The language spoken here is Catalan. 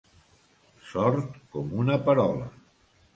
Sord com una perola.